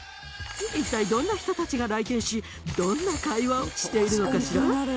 一体どんな人たちが来店しどんな会話をしているのかしら？